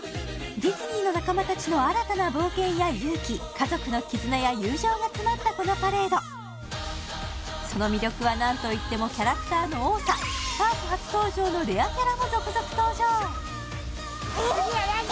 ディズニーの仲間達の新たな冒険や勇気家族の絆や友情が詰まったこのパレードその魅力は何といってもキャラクターの多さ続々登場すごいあれ何だ？